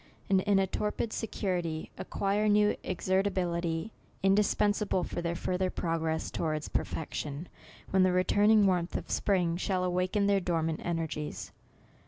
and in a torpid security, ac quire new exertability, indispensable for theii further progress towards perfection, when the returning warmth of spring shall awaken their dormant energies.